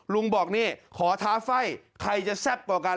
ลุงบอกนี่ขอท้าไฟ่ใครจะแซ่บกว่ากัน